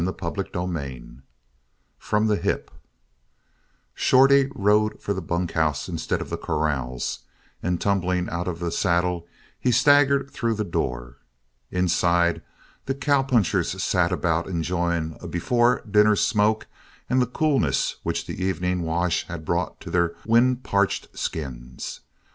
CHAPTER XII FROM THE HIP Shorty rode for the bunkhouse instead of the corrals and tumbling out of the saddle he staggered through the door. Inside, the cowpunchers sat about enjoying a before dinner smoke and the coolness which the evening wash had brought to their wind parched skins.